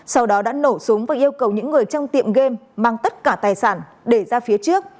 sau đó đã nổ súng và yêu cầu những người trong tiệm game mang tất cả tài sản để ra phía trước